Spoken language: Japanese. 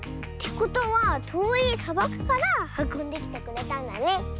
ことはとおいさばくからはこんできてくれたんだね。